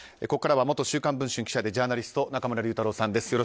ここからは元「週刊文春」記者でジャーナリスト中村竜太郎さんです。